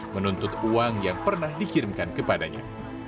menuntut uang yang pernah dikirimkan kepadanya